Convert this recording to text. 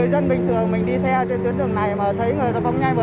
xe chế nhiều lắm tôi đi đường này là tôi thấy nhiều mặt nhiều